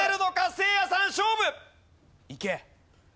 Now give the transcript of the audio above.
せいやさん勝負。